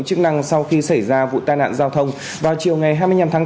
chức năng sau khi xảy ra vụ tai nạn giao thông vào chiều ngày hai mươi năm tháng bốn